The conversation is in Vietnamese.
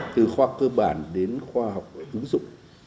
từ khoa học cơ bản đến khoa học ứng dụng